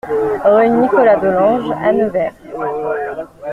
Rue Nicolas Delange à Nevers